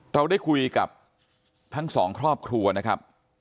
เราได้คุยกับทั้งสองครอบครัวนะครับ